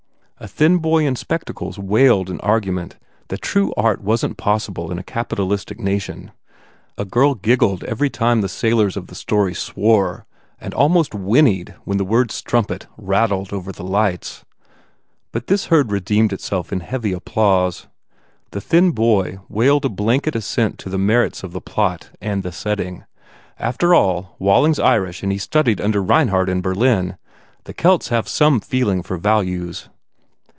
A thin boy in spectacles wailed an argument that true art wasn t possible in a capi talistic nation. A girl giggled every time the sailors of the story swore and almost whinnied when the word, "strumpet" rattled over the lights. But this herd redeemed itself in heavy applause. The thin boy wailed a blanket assent to the merits 222 BUBBLE of the plot and the setting, "After all, Waiting s Irish and he studied under Reinhardt in Berlin. The Kelts have some feeling for values."